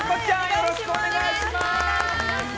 よろしくお願いします。